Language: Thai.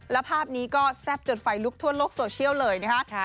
แล้วภาพนี้ก็แซ่บจนไฟลุกทั่วโลกโซเชียลเลยนะคะ